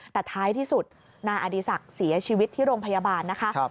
แต่ท้ายที่สุดนายอดีศักดิ์เสียชีวิตที่โรงพยาบาลนะคะ